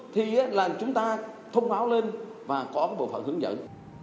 thì là chúng ta thông báo lên và có một bộ phận hướng dẫn